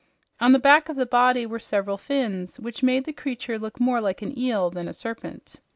On the back of the body were several fins, which made the creature look more like an eel than a serpent.